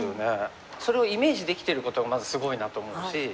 それをイメージできてることがまずすごいなと思うし。